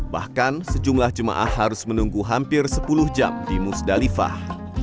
bahkan sejumlah jemaah harus menunggu hampir sepuluh jam di musdalifah